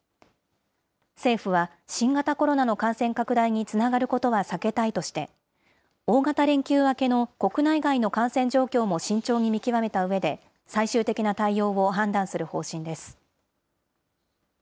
政府は、新型コロナの感染拡大につながることは避けたいとして、大型連休明けの国内外の感染状況も慎重に見極めたうえで、最終的な対応を判断する方針です。